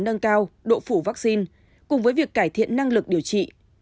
nâng cao độ phủ vaccine cùng với việc cải thiện năng lực điều trị